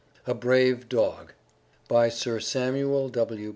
A BRAVE DOG By Sir Samuel W.